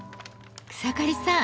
草刈さん